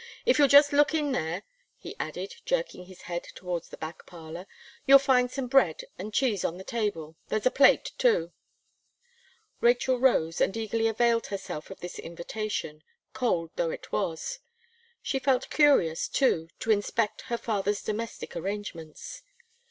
"If you'll just look in there," he added, jerking his head towards the back parlour, "you'll find some bread and cheese on the table, there's a plate too." Rachel rose and eagerly availed herself of this invitation, cold though it was; she felt curious too, to inspect, her father's domestic arrangements.